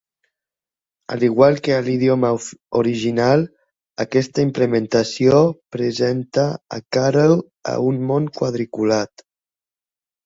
Al igual que a l"idioma original, aquesta implementació presenta a Karel a un món quadriculat.